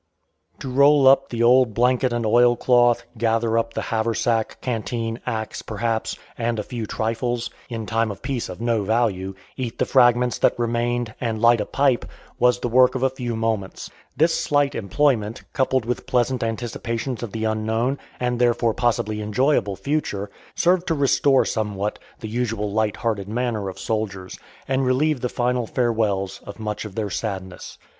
To roll up the old blanket and oil cloth, gather up the haversack, canteen, axe, perhaps, and a few trifles, in time of peace of no value, eat the fragments that remained, and light a pipe, was the work of a few moments. This slight employment, coupled with pleasant anticipations of the unknown, and therefore possibly enjoyable future, served to restore somewhat the usual light hearted manner of soldiers, and relieve the final farewells of much of their sadness.